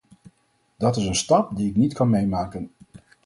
Dat is een stap die ik niet kan meemaken.